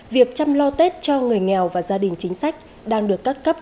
việc chăm lo tết cho người nghèo và gia đình chính sách đang được các cấp